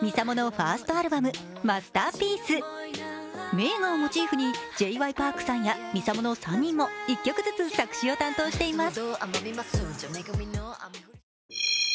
名画をモチーフにＪ．Ｙ．ＰａｒｋさんやＭＩＳＡＭＯの３人も１曲ずつ作詞を担当しています。